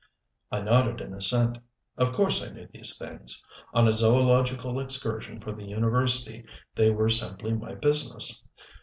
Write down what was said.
I nodded in assent. Of course I knew these things: on a zoological excursion for the university they were simply my business.